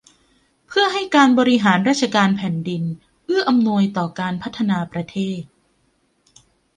เพื่อให้การบริหารราชการแผ่นดิน เอื้ออำนวยต่อการพัฒนาประเทศ